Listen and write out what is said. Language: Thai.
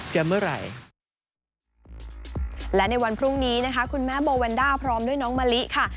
เมื่อไหร่และในวันพรุ่งนี้นะคะคุณแม่โบแวนด้าพร้อมด้วยน้องมะลิค่ะ